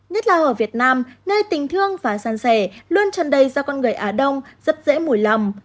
nhất là ở việt nam nơi tình thương và san sẻ luôn chân đầy do con người á đông rất dễ mùi lòng